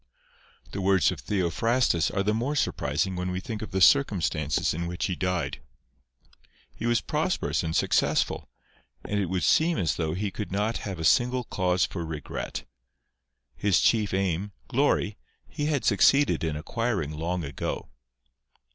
The words of Theophrastus are the more surprising when we think of the circumstances in which he died. He was prosperous and successful ; and it would seem as though he could not have a single cause for regret. H:s chief aim, glory, he had succeeded in acquiring long ago.